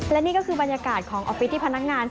และนี่ก็คือบรรยากาศของออฟฟิศที่พนักงาน